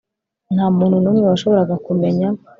nta muntu n'umwe washoboraga kumenya